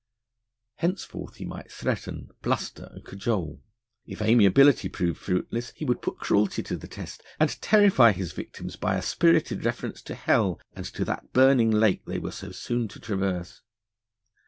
Henceforth he might threaten, bluster, and cajole. If amiability proved fruitless he would put cruelty to the test, and terrify his victims by a spirited reference to Hell and to that Burning Lake they were so soon to traverse.